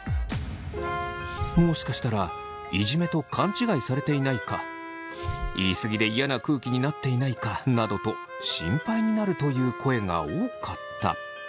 もしかしたらいじめと勘違いされていないか言い過ぎで嫌な空気になっていないかなどと心配になるという声が多かった。